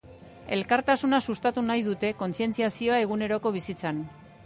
Elkartasuna sustatu nahi dute, kontzientziazioa eguneroko bizitzan.